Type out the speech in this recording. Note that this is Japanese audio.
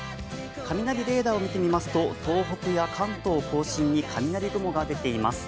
雷レーダーを見てみますと東北や関東甲信に雷雲が出ています。